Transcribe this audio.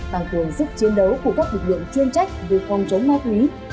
bằng cường giúp chiến đấu của các lực lượng chuyên trách về phòng chống ma túy